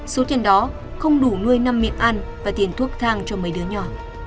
số tiền đó không đủ nuôi năm miệng ăn và tiền thuốc thang cho mấy đứa nhỏ